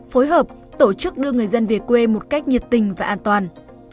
phối hợp tổ chức đưa người dân về quê một cách nhiệt tình và an toàn